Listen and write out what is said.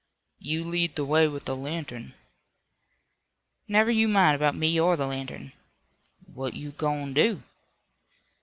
"You lead the way with the lantern." "Never you mind about me or the lantern." "What you goin' to do?"